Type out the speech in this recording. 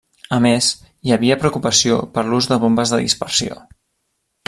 A més, hi havia preocupació per l'ús de bombes de dispersió.